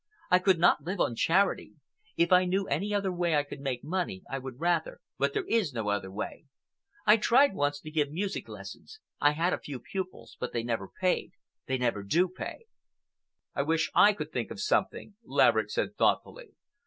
I could not live on charity. If I knew any other way I could make money, I would rather, but there is no other way. I tried once to give music lessons. I had a few pupils, but they never paid—they never do pay. "I wish I could think of something," Laverick said thoughtfully.